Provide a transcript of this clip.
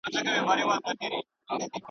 پر ملا کړوپ دی ستا له زور څخه خبر دی.